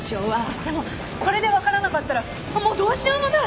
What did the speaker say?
でもこれでわからなかったらもうどうしようもない！